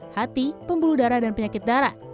hati pembuluh darah dan penyakit darah